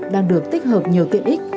đang được tích hợp nhiều tiện ích